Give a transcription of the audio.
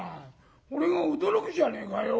俺が驚くじゃねえかよ。